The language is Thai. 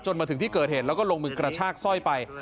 มาถึงที่เกิดเหตุแล้วก็ลงมือกระชากสร้อยไป